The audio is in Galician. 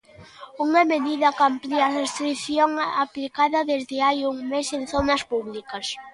Unha medida que amplía a restrición aplicada desde hai un mes en zonas públicas.